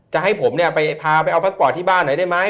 จะให้ผมเนี่ยไปพาไปเอาพักปอดที่บ้านหน่อยได้ไหม